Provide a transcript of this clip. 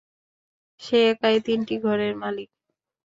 সে একাই তিনটি ঘরের মালিক।